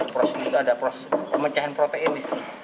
proses itu ada proses pemecahan protein di situ